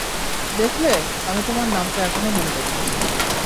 দেখলে, আমি তোমার নামটা এখনো মনে রেখেছি।